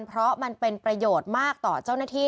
เพราะมันเป็นประโยชน์มากต่อเจ้าหน้าที่